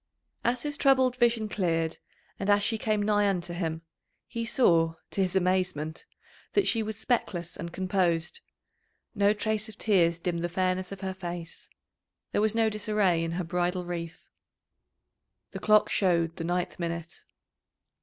As his troubled vision cleared and as she came nigh unto him, he saw to his amazement that she was speckless and composed no trace of tears dimmed the fairness of her face, there was no disarray in her bridal wreath. The clock showed the ninth minute.